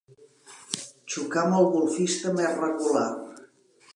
Xocar amb el golfista més regular.